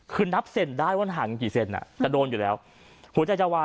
คือนับเส้นได้ว่าห่างกันกี่เซ็นน่ะกระโดนอยู่แล้ว